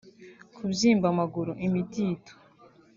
kubyimba amaguru (imidido)